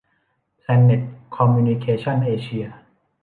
แพลนเน็ต คอมมิวนิเคชั่น เอเชีย